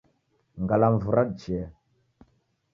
Ngalamvu radichea.